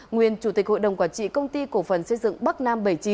nguyên chủ tịch hội đồng quản trị công ty cổ phần xây dựng bắc nam bảy mươi chín